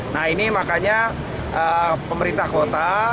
nah ini makanya pemerintah kota